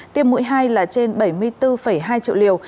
tiêm mũi hai là trên bảy mươi bốn hai triệu liều